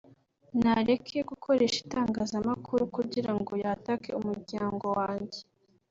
nareke gukoresha itangazamakuru kugirango yatake umuryango wanjye